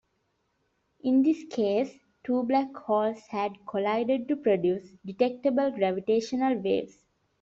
In this case, two black holes had collided to produce detectable gravitational waves.